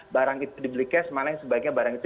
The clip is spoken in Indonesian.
barang itu dibeli cash mana yang sebaiknya barang itu